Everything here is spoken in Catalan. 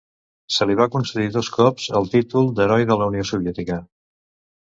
Se li va concedir dos cops el títol d'Heroi de la Unió Soviètica.